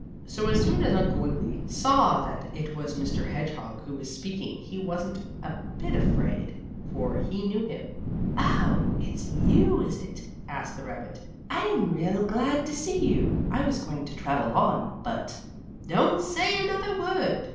So as soon as Uncle Wiggily saw that it was Mr. Hedgehog who was speaking he wasn't a bit afraid, for he knew him. "Oh, it's you, is it?" asked the rabbit. "I'm real glad to see you. I was going to travel on, but " "Don't say another word!"